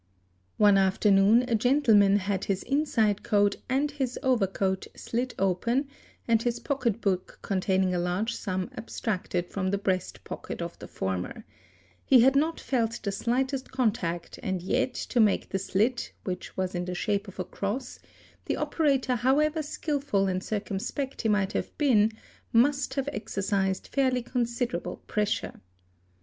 One afternoon a gentleman had his inside coat and his overcoat slit open and his pocket book containing a large sum abstracted from the breast pocket of the former; he had not felt the slightest contact and yet to make the slit, which was in the shape of a cross, the operator however skilful and circumspect he might have been must have exercised fairly considerable pressure.